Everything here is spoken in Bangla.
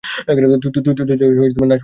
তুই তো নাচ পছন্দ করতি।